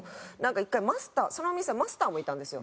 １回マスターそのお店はマスターもいたんですよ。